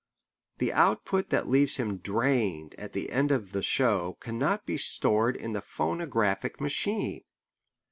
The output that leaves him drained at the end of the show cannot be stored in the phonograph machine.